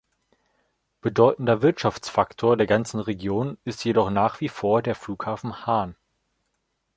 Bedeutender Wirtschaftsfaktor der ganzen Region ist jedoch nach wie vor der Flughafen Hahn.